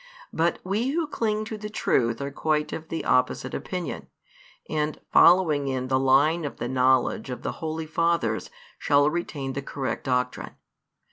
But we who cling to the truth are quite of the opposite opinion, and following in the lines of the knowledge of the holy |368 fathers shall retain the correct doctrine.